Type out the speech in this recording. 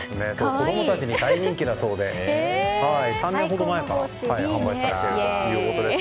子供たちに大人気なそうで３年ほど前から販売されているということです。